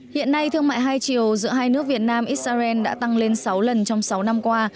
hiện nay thương mại hai chiều giữa hai nước việt nam israel đã tăng lên sáu lần trong sáu năm qua